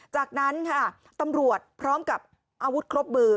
จากนั้นค่ะตำรวจพร้อมกับอาวุธครบมือ